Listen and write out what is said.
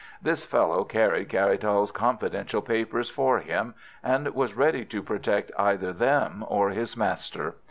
This fellow carried Caratal's confidential papers for him, and was ready to protect either them or his master.